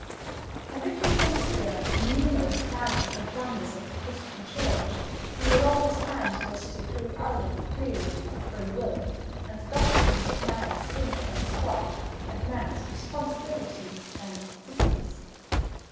And if you consider the numerous crimes and blunders of the Christian Church, you will always find that they grew out of the theory of Free Will, and the doctrines of Man's sin against God, and Man's responsibility and "wickedness."